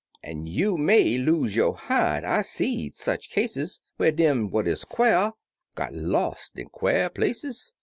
" An' you may lose yo' hide — I've seed sech cases, Whar dem what 'uz quare got los' in quare places."